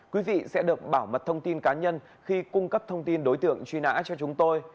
quý vị sẽ được bảo mật thông tin cá nhân khi cung cấp thông tin đối tượng truy nã cho chúng tôi